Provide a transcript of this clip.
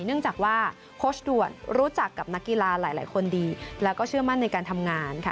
เนื่องจากว่าโค้ชด่วนรู้จักกับนักกีฬาหลายคนดีแล้วก็เชื่อมั่นในการทำงานค่ะ